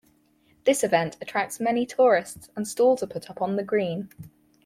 This event attracts many tourists and stalls are put up on the green.